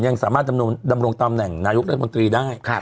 ยังสามารถดำรงตำแหน่งนายกรัฐมนตรีได้